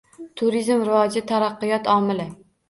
Turizm rivoji – taraqqiyot omili